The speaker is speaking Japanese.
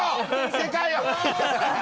世界を！